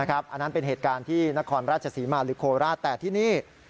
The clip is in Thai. อันนั้นเป็นเหตุการณ์ที่นครราชศรีมาหรือโคราชแต่ที่นี่